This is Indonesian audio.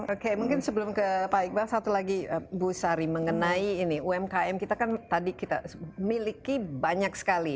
oke mungkin sebelum ke pak iqbal satu lagi bu sari mengenai ini umkm kita kan tadi kita miliki banyak sekali